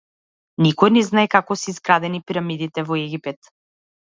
Никој не знае како се изградени пирамидите во Египет.